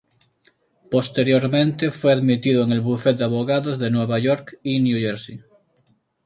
Posteriormente fue admitido en el buffet de abogados de Nueva York y New Jersey.